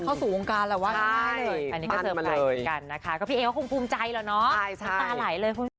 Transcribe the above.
เข้าสู่โรงการแล้วว่าง่ายเลย